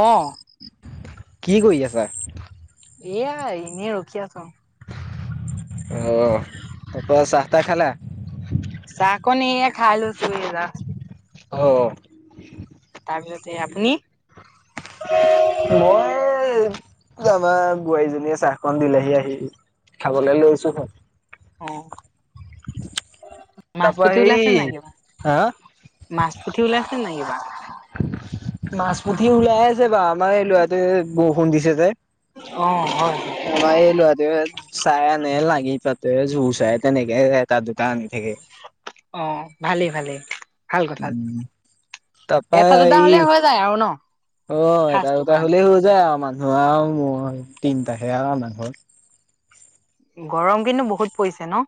অ'। কি কৰি আছা? এয়া এনেই ৰখি আছো অ তাৰপা চাহ-তাহ খালা চাক অকণ এয়া খাই‌ লৈছো এয়া যাষ্ট অঁ তাৰপিছতে আপুনি মই আমাৰ বোৱাৰীজনীয়ে চাহখন দিলেহি আহি খাবলৈ লৈছো হয় অ মাছ তাৰপৰা পুঠি হেৰি ওলাইছে নে নাই কিবা হা? মাছ পুঠি ওলাইছে নে নাই কিবা মাছ পুঠি ওলাই আছে বা আমাৰ এই ল'ৰাটোৱে বৰষুণ দিছে যে অ', হয়, হয়। আমাৰ এই ল'ৰাটো চাই আনে লাগি পাততে জোৰ চাই তেনেকে এটা দুটা আনি থাকে অ ভালেই ভালেই ভাল কথা উম, তাৰপা এটা দুটা এই হ'লে হৈ যায় আৰু ন অ এটা সাজটো দুটাৰ কাৰণে। হ'লেই হৈ যায় আৰু মান ল'ৰা আৰু মই তিনটাহে আৰু আমাৰ ঘৰত গৰম কিন্তু বহুত পৰিছে ন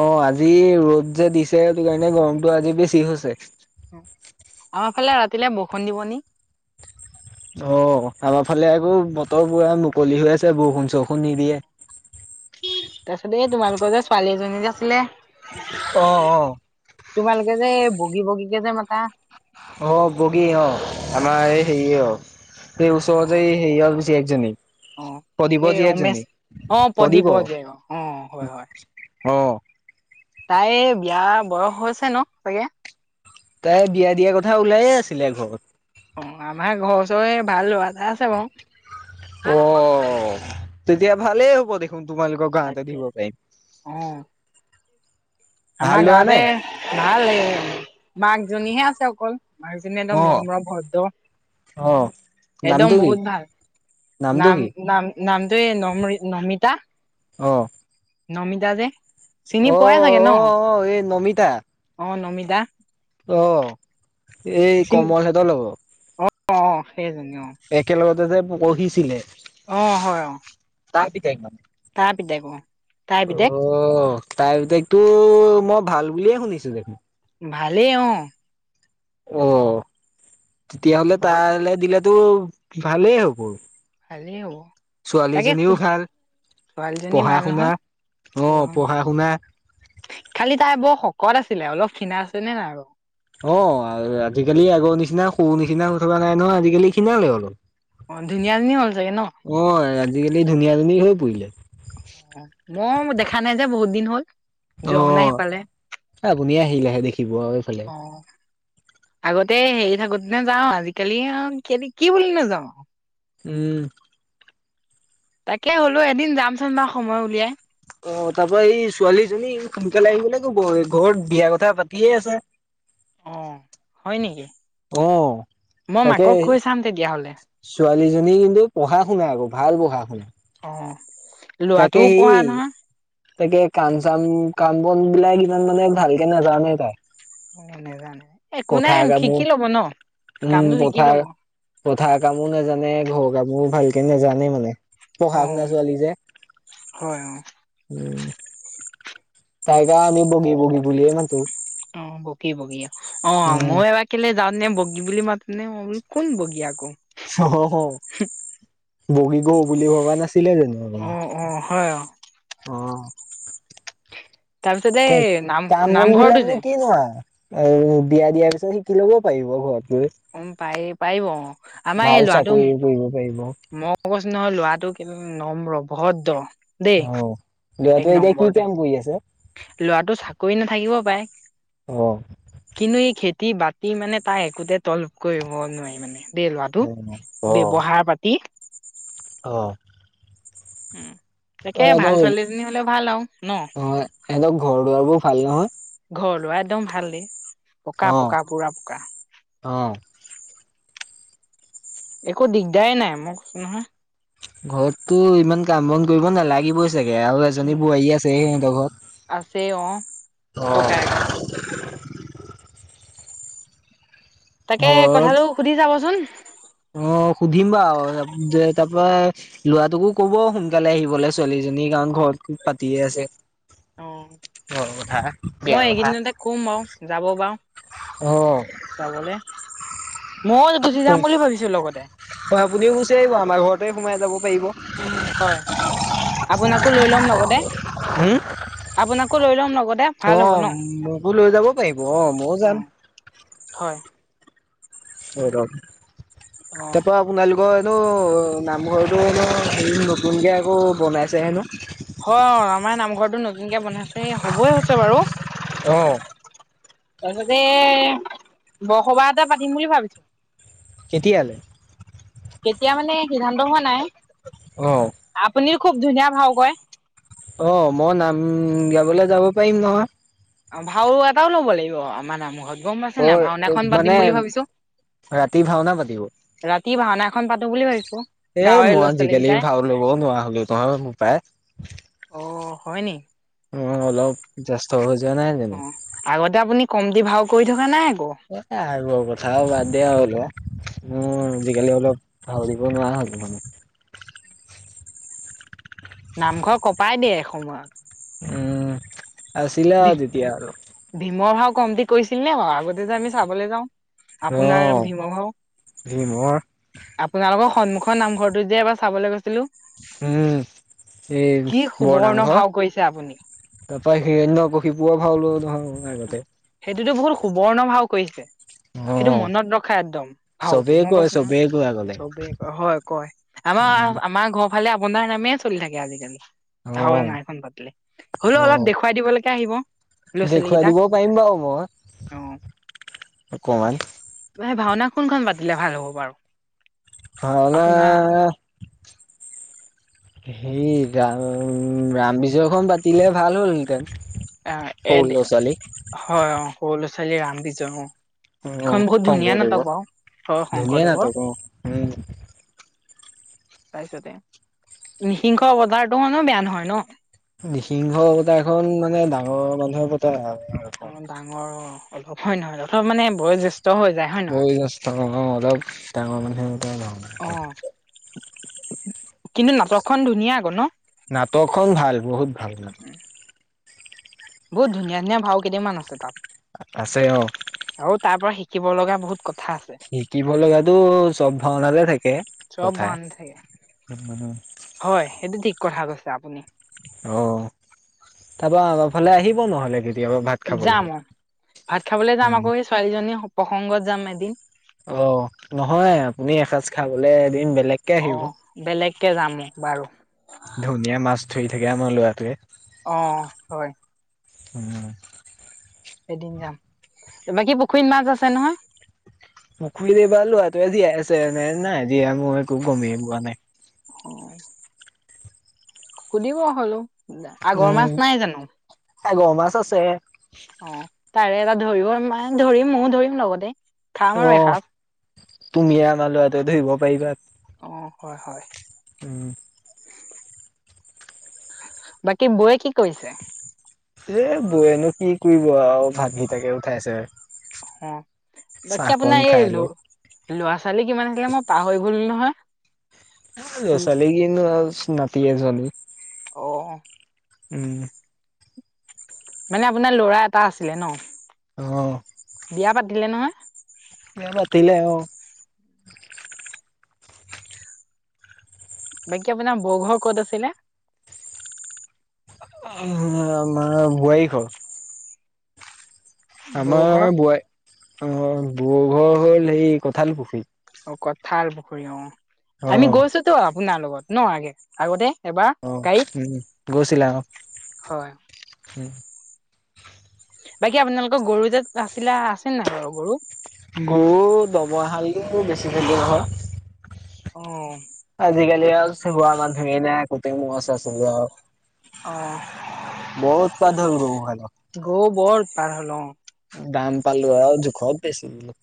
অ আজি ৰ'দ যে দিছে সেইটো কাৰণে গৰমতটো আজি বেছি হৈছে আমাৰ ফালে ৰাতিলে বৰষুণ দিব নি অ আমাৰ ফালে আকৌ বতৰ পুৰা মুকলি হৈ আছে বৰষুণ চৰষুণ নিদিয়ে তাৰপিছত এই তোমালোকৰ যে ছোৱালী এজনী যে আছিলে অ অ তোমালোকে যে বগী বগী কে যে মাতা অ বগী অ আমাৰ এই হেৰি অ এই ওচৰতে অ', হেৰি একজনী অ', প্ৰদীপৰ এই ৰমেশ জীয়েকজনী অ', প্ৰদীপৰ জীয়েক অ', হয়, অ তাইৰ বিয়া বয়স হৈছে ন চাগে। তাই বিয়া দিয়াৰ কথা ওলায়ে আছিলে ঘৰত অ আমাৰ ঘৰৰ ওচৰৰে ভাল ল'ৰাএটা আছে বাৰু অ তেতিয়া ভালেই হ'ব দেখোন তোমালোকক গাঁৱতে তাকে। দিব পাৰিম অ ভাল আমাৰ লোৱা গাঁৱতে নে? ভাল এ মাক জনীহে আছে অকল মাকজনী একদম অ' নম্ৰ ভদ্ৰ অ' একদম নামটো কি বহুত ভাল নামটো নাম কি নাম নামটো এই নমিতা অঁ নমিতা যে চিনি অ' পোৱাই চাগে ন অ এই নমিতা অঁ নমিতা অ এই কমল হেতৰ লগৰ অঁ অ সেইজনী অ একেলগতে যে পঢ়িছিলে অ হয় অ তাৰি থ মানে তাৰ পিদেক অ তাই পিদক অ তাই বতেগতো মই ভাল বুলিয়ে শুনিছো দেখোন ভালেই অ অ তেতিয়াাহ'লে ঘৰত তালৈ দিলেতো ভালেই হ'ব ভালেই হ'ব তাকে ছোৱালীজনীও ভাল ছোৱালীজনী পঢ়া ভাল শুনা অ নহয় পঢ়া শুনা খালি তাই বৰ শকত আছিলে অলপ খীণা আছেনেে নাই আৰু অ', আজিকালি আগৰ নিচিনা সৰু নিচিনা হৈ থকা নাই নহয়। আজিকালি খিনালে অলপ। অ', ধুনীয়া নি হল চাগে ন। হয়। আজিকালি ধুনীয়া ধুনী হৈ পৰিলে। অ মই দেখা নাই যে বহুত দিন হ'ল। যোৱাও নাই অ', সেইফালে এই আপুনি আহিলেহে দেখিব আৰু এইফালে। অ। আগতে হেৰি থাকোতে যাওঁ আজিকালি কালি আৰু কি বুলি নেযাওঁ? উম। তাকে হ'লো এদিন যামচোন বা সময় উলিয়াই। অ', তাৰ পা এই ছোৱালীজনীক, সোনকালে আহিবলে কব, ঘৰত বিয়া কথা পাতিয়ে আছেঁ। অ', হয় নেকি অ মই তাকে মাকক কৈ চাম তেতিয়াহলে। ছোৱালীজনী কিন্তু পঢ়া শুনা আকৌ ভাল পঢ়া শুনা। অ',। তাকে ল'ৰাটোও পঢ়া সেই নহয়। তাকে কাম চাম কাম বন বিলাক ইমান মানে, ভালকে নাজানেই তাই। অ', নোজানে, একো নাই পথাৰ কামো শিকি লব ন, কামটো শিকি লব। কথা কামো নাজানে, ঘৰৰ কামো ভালকে নোজানে মানে। অ। পঢ়া শুনা ছোৱালী যে। হয় অ উম, তাইকে আমি বগী-বগী বুলিয়ে মাতো। অ', বগি-বগি অ' উম মই এবাৰ কেলে যাওঁ নে বগী বুলি মাতোতে মই বোলো কোন বগী আকৌ? অ', বগী বৌ বুলি ভবা নাছিলে যানো। অ অ হয় অ অ', অ'। তাৰপিছত এই নাম কাম বন নামঘৰটো বিলাক নো যে কি নো আৰু। আৰু বিয়া দিয়াৰ পিছত শিকি ল'ব পাৰিব, ঘৰত গৈ। উম, পাৰি পাৰিব অ', আমাৰ ভাল এই লৰাটো চাকৰি ম কৰিব পাৰিব অ। মই কৈছ নহয় লৰাটো, কিন্ত নম্ৰ, ভদ্ৰ। দেই অ', এক লৰাতোএ এতিয়া কি নম্বৰতে কাম কৰি আছে? লৰাটো চাকৰি নাথাকিব পাৰে। অ কিন্তু, এই খেতি বাতি মানে, তাক একোতে তল কৰিব নোৱাৰি মানে। দে লৰাটো অ অ ব্যৱহাৰ পাতি। অ',। উম, তাকে ভাল সিহঁতৰ ছোৱালীজনী হ'লে ভাল আৰু ন। অ সিহঁতৰ ঘৰ দুৱাৰ বোৰ ভাল নহয়। ঘৰ দোৱাৰ একদম ভাল দেই পকা অ পকা পুৰা পকা। অ',। একো দিগদাৰেই নাই মই কৈছো নহয়। ঘৰততো ইমান কাম বন কৰিব নালাগিবই চাগে আৰু এজনী উম বোৱাৰী আছে সিহঁতৰ আছে অ ঘৰত। অ',। ককায়েকৰ তাকে ঘৰত কথাটো সুধি চাবচোন? অ', সুধিম বাৰু যে তাৰ পা লৰাটোক কব সোনকালে আহিবলৈ, ছোৱালীজনী কাৰণ ঘৰত খুব পাতিয়ে আছে। অ কথা বিয়া মই কথাা। এইকেইদিনতে কম বাৰু যাব বাৰু। অ',। যাবলে, মই গুচি যাম বুলি ভাবিছো লগতে। হয় আপুনিও গুচি আহিব, আমাৰ লগতে সোমাই যাব পাৰিব। উম, হয় আপোনাকো লৈ ল'ম লগতে। আপোনাকো লৈ ল'ম লগতে। ভাল হ'ব ন অ', মোকো লৈ যাব পাৰিব অ', ময়ো অ যাম। হয় অ অ তেপ আপোনালোকৰ হেনো নামঘৰটোনো হেৰি নতুনকৈ আকৌ বনাইছে হেনো অ আমাৰ নামঘৰটোো নতুনকে বন্ধাইছে হবই হৈছে বাৰু অ তাৰপিছতে বসবাহ এটা পাতিম বুলি ভাবিছো কেতিয়ালে কেতিয়া মানে সিদ্ধান্ত হোৱা নাই অঁ আপুনি খুব ধুনীয়া ভাও কয় অ মই নাম গাবলৈ যাব পাৰিম নহয় অ ভাও এটাও লব লাগিব আমাৰ নামখত গম পাইছে অ না ভাওনাখন পাতিম মানে বুলি ভাবিছো ৰাতি ভাওনা পাতিব ৰাতি ভাওনা এখন পাতো বুলি ভাবিছো এ গাঁৱৰে মই ল'ৰা ছোৱালী আজিকালি কেইটাই ভাল লব নোৱাৰা হলো তহ মোৰ পায় অঁ হয় নি অ অলপ জ্্ত হৈ যোৱা নাই অ জানো আগতে আপুনি কম দি ভাও কৰি থকা নাই আকৌ এ আৰ কথাও বাদ দিয় হ'ল উ আজিকালি অলপ ভিব নোৱাৰা হ'ল মানে নামঘৰ কপাই দিয়ে এসময়ত উম আৰু চিলা ভী আৰু তেতিয়া আৰু ভীমৰ ভাও কমট কৰিছিল নে বাৰু আগতে যে আমি চাবলৈ যাওঁ আপোন নাই অ', ভীম ভও ভীমৰ আপোনালোকৰ সন্মুখৰ নামঘৰটোো যে এবাৰ চাবলৈ গৈছিলো উম এই কি বৰ সুবৰ্ণ নামঘৰ ভাও কৰিছে আপুনি তাৰ পৰাৰা হিৰণ্য কশিপুৱা ভাওল ধৰ আগতে সেইটোতো বহুত সুবৰ্ণ ভাও কৰিছে সেইটো অ', মনত ৰখা একদম ভাওটো চবেই মই কয়, কৈছো নয় চবেই কয় আগলে। চবেই ক হয় কয় আমাৰ উম। আমাৰ ঘৰ ভাললে আৱনাৰ নামে চলি থাকে আজিকালি ভও অ', নাইখন পালে হ'লেও অ', অলপ দেখুৱাই দিবলৈকে আহিব ল'ৰা ছোৱালীকেইটাক ক' পম বাৰু মই অকমান সেই ভাওনা কোনখন পাতিলে ভাল হ'ব বাৰু ভাল আপোনাৰ সেই ৰা ৰাম বিজয়খন পাতিলে ভাল হ'ল হেতেন আহ এদ হয় সৰু ল'ৰা ছোৱালী ৰাম বিজন অ', খন বহুত ধুনীয়া নাটক শংকৰদেৱৰ বাৰু হয় ধুনীয়া শংকৰদেৱৰ নাটক অ', উম। তাৰপিছতে নিসিংহ বজাৰতো মানে বেয়া নহয় ন নিসিংহ পতা এখন মানে ডাঙৰ মানুহৰ বতাৰ আৰু অ ডাঙৰ অ অলপ হয় নহয় অলপ মানে বয়ো জ্্যেষ্ঠ হৈ যায় হয় ব নহয় দ ঙৰ কও অলপ ডাঙৰ মানে অ কিন্তু নাটকখন ধুনীয়া আকৌ ন নাটকখন ভাল বহুত ভাল নাটক বহুত ধুনীয়া ধুনীয়া ভাও কেইদামান আছে তাত। আছে অ। আৰু তাৰ পৰা শিকিব লগা বহুত কথা আছে। শিকিব লগাতো চব ভাওনাতে থাকে। চব কথা অ ভাল থাকে হয় সেইটো ঠিক কথা কৈছে আপুনি। অ তাৰপা ফালে আহিব নহ'লে কেতিয়াবা ভাত। যাম খাবলৈকে। অ ভাত খাবলৈ যাম উম। আকৌ স ছোৱালীজনী প্ৰসংগত যাম এদিন। অ নহয় আপুনি এসাঁজ খাবলে এদিন বেলেগ। অ বেলেগকে যামোক বাৰু। ধুনীয়া মাছ ধৰি থাকে আমাৰ লৰাটোৱে। অ হয়। উম। এদিন যাম বাকী পুখুৰীত মাছ আছে নহয়? পুখুৰীত এবাৰ লৰাটোৱে জীয়াই আছে নে নাই জীয়াই মই একো গমেই পোৱা নাই। অ। সুধিব হলো আগৰ মাছ নাই জানো? এগ মাছ আছে। অ তাৰে এটা ধৰিব মে ধৰিম ময়ো ধৰিম লগতে। খাম আৰু অ এসাঁজ তুমিয়ে আমাৰ লৰাটো ধৰিব পাৰিবা। অঁ হয় হয়। উম, বাকী বৌয়ে কি কৰিছে? এ বৌয়েনো কি কৰিব আৰু ভাতকটাকে উঠাইছে। অ বাকী চাহকণ আপোনাৰ খাই এই লৈ ল'ৰা ছোৱালী কিমান আছিলে মই পাহৰি গ'ল নহয়। ছালীগন নাতিয়ে চোৱালী। অ। উম। মানে আপোনাৰ ল'ৰা এটা আছিলে ন? অ। বিয়া পাতিলে নহয়? স নাতি অ। বাকী আপোনাৰ বৰঘৰ ক'ত আছিলে? অ আমাৰ বোৱাৰীঘৰ। বৌ ঘৰ আমাৰ বোৱাৰ অ ব ঘৰ হ'ল হে কঁঠাল পুখুৰীত। অ কঠাল পুখুৰী অ আমি অ', অ', গৈছোতো আপোনাৰ লগত ন আগে আগতে। এবাৰ গাড়ীত উম, হয়। উম। বাকী আপোনালোকৰ গৰু তাত আছিলা আছে নাই ব গৰু? গৰু দমহালোৰ বেছি ভাগে হয়। অ। আজিকালি আৰু চ বোৱা মানুহেই নাই কুটি মছ আছিলে। আৰু অঁ। বহুত পাধ ক খাল। গৌ বৰ পাৰ হলওঁ। দাম পালো আৰু জোখ বেছি দিল।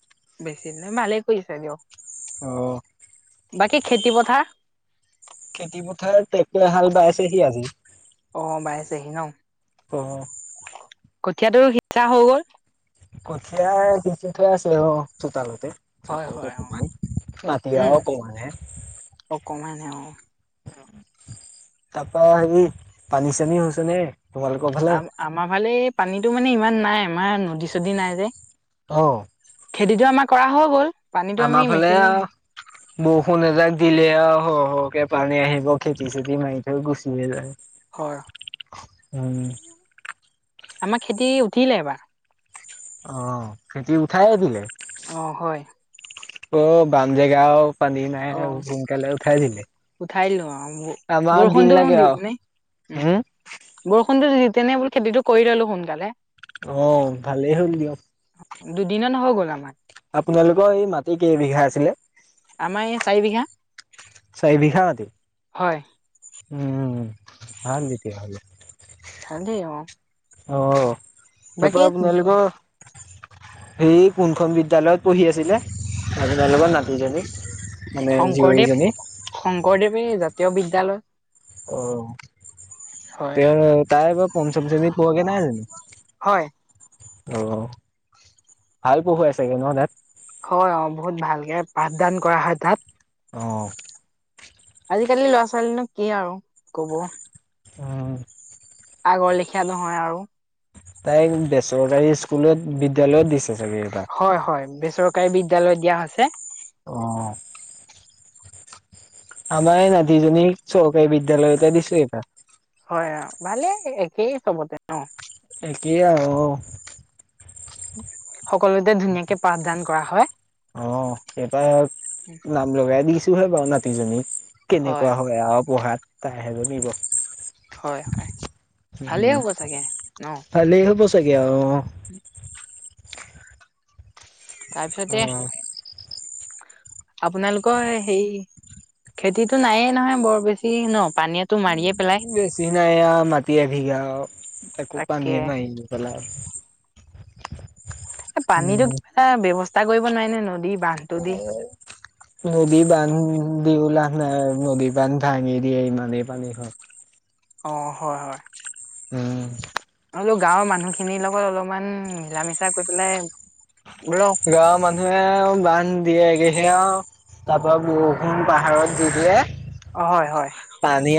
বেছি ন ভালে কৰিছো দিয়ক। অ। বাকী খেতি পথাৰ? খেতি পথাৰ ট্ৰেক্ট হাল বাইছেহি আজি। অ বাইছেহি ন। অ। কঠীয়াটো সিঁচা হৈ গ'ল কঠিয় কিুঠে আছে অ চোতালতে হয় চাকৰটো হয় অ কমমান উম মতিৰাও কমমান হে অকমানহে অ তাৰাপা হেৰি পানী চানী হৈছে নে তবাল আ আমাৰ ফালে পানীতটো মানে ইমান নাই আমাৰ নদী চদী নাই যে অ খেতিটো আমাৰ কৰা হৈ গ'ল পানীটো আমাৰ আমি ফালে মেচিনে বৰষুণ এজাক দিলে আৰু হ হকে পানী আহিব খেত-চেতি মাৰি থৈ গুচিয়ে যায়। হয় উম, আমাৰ খেতি উঠিলে এইবাৰ। অ খেতি উঠাইে দিলে। অ হয়। অ বাম জেগাও। পানী নাই অ সোনকালে উঠাই দিলে। উঠাই লওঁ আৰু আমাৰ দিন বৰষুণটো লাগে দি আৰু। পিনে উম। বৰষুণটো [unintelligible] খেতিটো কৰি ললো সোনকালে। অ ভালেই হ'ল দিয়ক। দুদিন ন হৈ গ'ল আমাৰ। আপোনালোকৰ এই মাটি কেইবিঘা আছিলে? আমাৰ এই চাৰি বিঘা। চাৰি বিঘা মাটি। হয় উম ভাল তেতিয়া হলে। ভালই অ। অ বাকী তপৰাপ আপোনালোকৰ [inaudible] সেই কোনখন বিদ্যালয়ত পঢ়ি আছিলে? আপোনালোকৰ নতিজনীক? শংকৰদেৱ শংকৰদেৱে জাতীয় বিদ্যয়ালয়। অহ। হয় তেওঁ তাই বৰ পঞ্চম শ্ৰেণী পুৱাগে নাই জানো? হয় অ ভাল পহুৱাই চাগে নহ তাত? হয় অ বহুত ভালকে পাঠদান কৰা হয় তাত। অ। আজিকালি ল'ৰা-ছোৱালীনো কি আৰু ক'ব উম। আগৰ লেখীয়া নহয় আৰু। তাইক বেচৰকাৰী স্কুলত বিদ্যালয়ত দিছে চাগে এইবাৰ। হয় হয় বেচৰকাৰী বিদ্যয়ালয় দিয়া হৈছে। অ। আমাৰ নাতিজনীক চৰকাৰী বিদ্যয়ালয়তে দিছো এইবাৰ। হয় অ ভালেই একেই চবতে অ। [unintelligible] অ। সকলোতে ধুনীয়াকে পাঠদান কৰা হয়। অ সেইটাই নাম লগাই দিছোহে বাৰু নাতিজনীক। কেনেকুৱা হয় আৰু পঢ়াত তাইহে জানিব। হয় হয় ভালেই হ'ব চাগে, ন? ভালি হব চাগে অ অ। তাৰপিছতে আপোনালোকৰ সেই খেতিতটো নায়েই নহয় বৰ বেছি ন পানীত বেছি নাই আৰু মাটি এবিঘা অ তাকো তাকে পানীয়ে মাৰিলে। [unintelligible] এ পানীতো কিবা এটা ব্যৱস্থা কৰিব নোৱাৰি নে নদী বান্ধ [inaudible] [inaudible] নদী বান্ধ দিওলাভ নাই, নদী বান্ধ ভাঙি দিয়ে ইমানেই পানী হয়। অ হয় হয় উম আৰু গাঁৱৰ মানুহ খিনিৰ লগত অলপমান মিলা মিছা কৰি পেলাই বলো গাঁৱৰ মানুহে বান্ধ দিয়েগেহে আৰু তাৰ পৰা বৰষুণ পাহাৰত দি দিয়ে অ হয় হয়। পানী